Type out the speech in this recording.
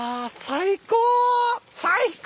最高！